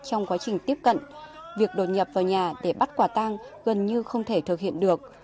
trong quá trình tiếp cận việc đột nhập vào nhà để bắt quả tang gần như không thể thực hiện được